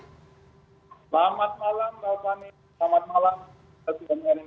selamat malam pak pani